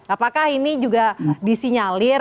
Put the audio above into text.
apakah ini juga disinyalir